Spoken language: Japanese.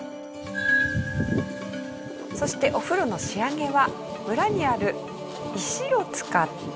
そしてお風呂の仕上げは村にある石を使って。